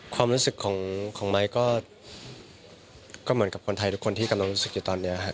ความรู้สึกของไม้ก็เหมือนกับคนไทยทุกคนที่กำลังรู้สึกอยู่ตอนนี้ครับ